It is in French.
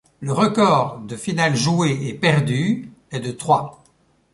Le record de finales jouées et perdues est de trois.